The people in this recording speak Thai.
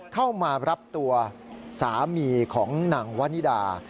เข้ามารับตัวสามีของนางวันนิดา